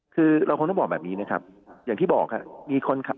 คือเราคงต้องบอกแบบนี้นะครับอย่างที่บอกครับมีคนขับ